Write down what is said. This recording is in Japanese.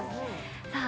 さあ